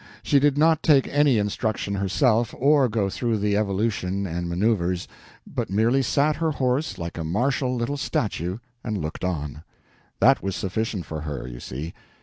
She did not take any instruction herself or go through the evolutions and manoeuvres, but merely sat her horse like a martial little statue and looked on. That was sufficient for her, you see.